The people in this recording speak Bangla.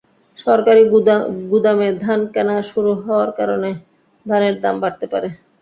সরকারি গুদামে ধান কেনা শুরু হওয়ার কারণে ধানের দাম বাড়তে পারে।